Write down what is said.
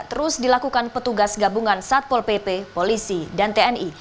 terus dilakukan petugas gabungan satpol pp polisi dan tni